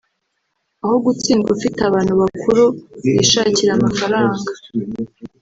aho gutsindwa ufite abantu bakuru bishakira amafaranga